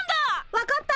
分かった！